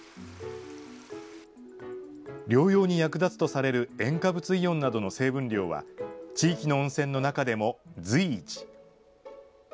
療養に役立つとされる塩化物イオンなどの成分量は、地域の温泉の中でも随一。